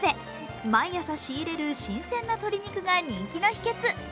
毎朝、仕入れる新鮮な鶏肉が人気の秘けつ。